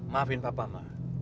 maafin bapak ma